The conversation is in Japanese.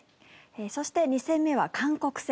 そして２戦目は韓国戦。